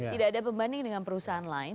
tidak ada pembanding dengan perusahaan lain